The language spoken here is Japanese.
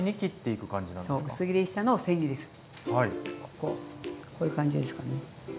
こういう感じですかね。